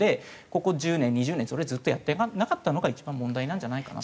ここ１０年２０年それずっとやってなかったのが一番問題なんじゃないかなと。